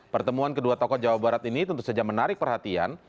pertemuan kedua tokoh jawa barat ini tentu saja menarik perhatian